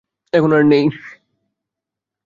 এখন আর নেই।